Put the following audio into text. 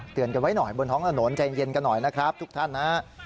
เตือนกันไว้หน่อยบนห้องอนโหนใจเย็นกันหน่อยนะครับทุกท่าน